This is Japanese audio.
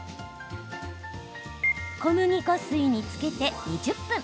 小麦粉水につけて２０分。